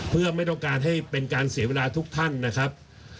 เพื่อไม่ต้องการให้เป็นการเสียเวลาทุกท่านนะครับ